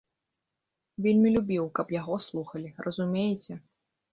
Вельмі любіў, каб яго слухалі, разумееце.